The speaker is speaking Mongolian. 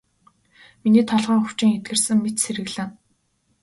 Миний толгойн өвчин эдгэрсэн мэт сэргэлэн.